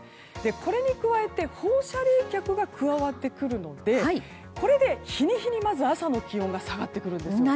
これに加えて放射冷却が加わってくるのでこれで日に日に、まず朝の気温が下がってくるんです。